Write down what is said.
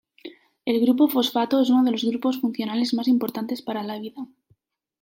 El grupo fosfato es uno de los grupos funcionales más importantes para la vida.